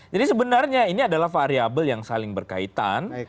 jadi sebenarnya ini adalah variable yang saling berkaitan